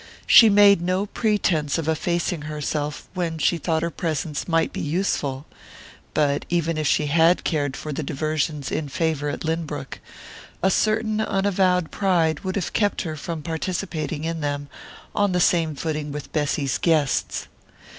She made no pretense of effacing herself when she thought her presence might be useful but, even if she had cared for the diversions in favour at Lynbrook, a certain unavowed pride would have kept her from participating in them on the same footing with Bessy's guests.